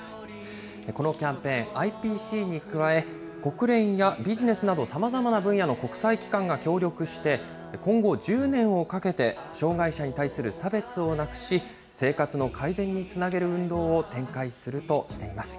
このキャンペーン、ＩＰＣに加え、国連やビジネスなどさまざまな分野の国際機関が協力して、今後１０年をかけて障害者に対する差別をなくし、生活の改善につなげる運動を展開するとしています。